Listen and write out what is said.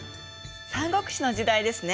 三国志の時代ですね！